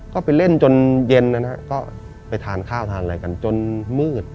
ก็ไปเล่นจนเย็นนะฮะก็ไปทานข้าวทานอะไรกันจนมืด